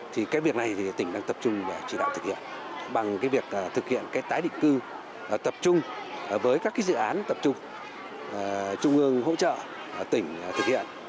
thì cái việc này thì tỉnh đang tập trung để chỉ đạo thực hiện bằng cái việc thực hiện cái tái định cư tập trung với các cái dự án tập trung trung ương hỗ trợ tỉnh thực hiện